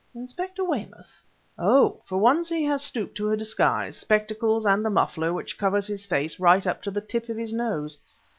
"Inspector Weymouth?" "Oh! for once he has stooped to a disguise: spectacles, and a muffler which covers his face right up to the tip of his nose.